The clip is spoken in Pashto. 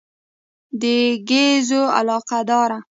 د ګېزو علاقه داره.